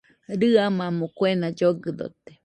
Rɨamamo kuena llogɨdote